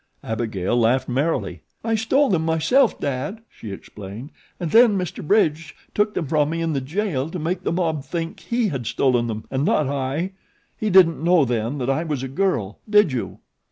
Abigail laughed merrily. "I stole them myself, Dad," she explained, "and then Mr. Bridge took them from me in the jail to make the mob think he had stolen them and not I he didn't know then that I was a girl, did you?"